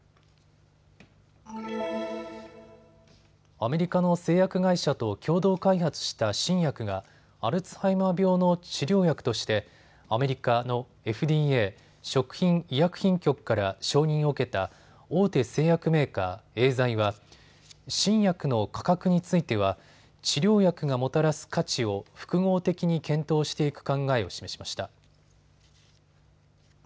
アメリカの製薬会社と共同開発した新薬がアルツハイマー病の治療薬としてアメリカのＦＤＡ・食品医薬品局から承認を受けた大手製薬メーカー、エーザイは新薬の価格については治療薬がもたらす価値を複合的に検討していく考えを示しました。